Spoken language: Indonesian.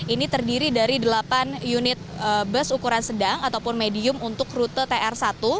ini terdiri dari delapan unit bus ukuran sedang ataupun medium untuk rute tr satu